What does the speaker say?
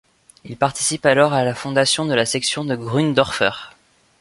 Il participe alors à la fondation de la section de Grunddörfer.